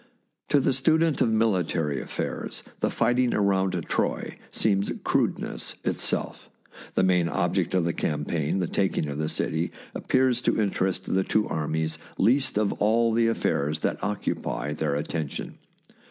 To the student of military affairs the righting around Troy seems crudeness itself. The main ob ject of the campaign, the taking of the city, ap pears to interest the two armies least of all the affairs that occupy their attention.